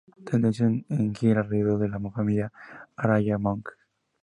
Tendencia que gira alrededor de la familia Araya Monge.